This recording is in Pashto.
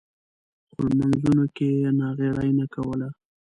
خو لمونځونو کې یې ناغېړي نه کوله.